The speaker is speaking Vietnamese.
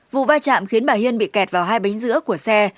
vụ va chạm khiến bà hiên bị kẹt vào hai bánh giữa của xe